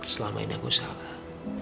selama ini aku salah